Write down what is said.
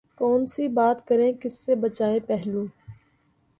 کون سی بات کریں کس سے بچائیں پہلو